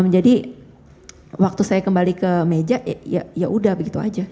jadi waktu saya kembali ke meja ya udah begitu aja